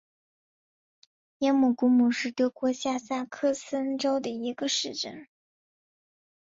耶姆古姆是德国下萨克森州的一个市镇。